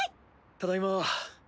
ただいま。